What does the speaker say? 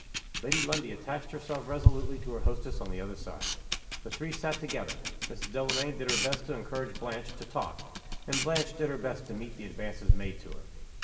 Lady Lundie attached herself resolutely to her hostess on the other side. The three sat together. Mrs. Delamayn did her best to encourage Blanche to talk, and Blanche did her best to meet the advances made to her.